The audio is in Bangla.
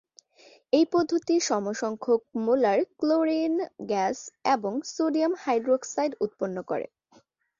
এই পদ্ধতি সম সংখ্যক মোলার ক্লোরিন গ্যাস এবং সোডিয়াম হাইড্রোক্সাইড উৎপন্ন করে।